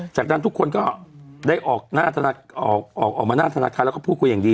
จากนั้นทุกคนก็ได้ออกหน้าออกมาหน้าธนาคารแล้วก็พูดคุยอย่างดี